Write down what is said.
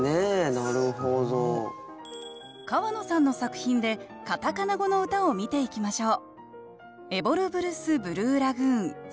川野さんの作品でカタカナ語の歌を見ていきましょう